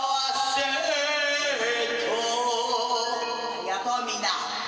ありがとうみんな。